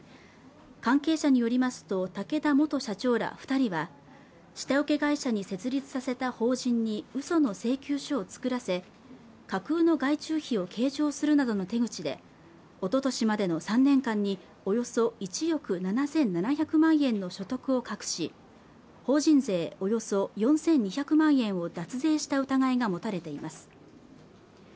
関係者によりますと竹田元社長ら二人は下請け会社に設立させた法人にうその請求書を作らせ架空の外注費を計上するなどの手口でおととしまでの３年間におよそ１億７７００万円の所得を隠し法人税およそ４２００万円を脱税した疑いが持たれています